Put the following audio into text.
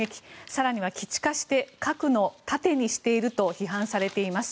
更には基地化して核の盾にしていると批判されています。